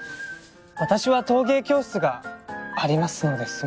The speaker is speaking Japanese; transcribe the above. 私は陶芸教室がありますので。